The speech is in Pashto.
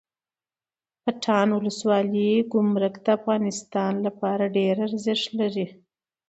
پټان ولسوالۍ ګمرک د افغانستان لپاره ډیره ارزښت لري